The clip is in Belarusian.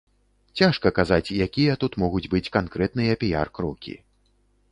Цяжка казаць, якія тут могуць быць канкрэтныя піяр-крокі.